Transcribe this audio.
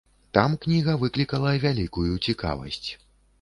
Там кніга выклікала вялікую цікавасць.